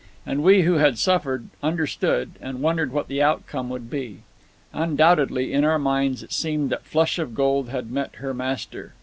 And we who had suffered understood, and wondered what the outcome would be. Undoubtedly, in our minds, it seemed that Flush of Gold had met her master.